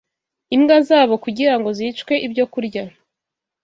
imbwa zabo kugira ngo zicwe ibyo kurya